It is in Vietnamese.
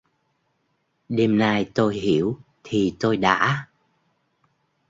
Đêm nay tôi hiểu thì tôi đã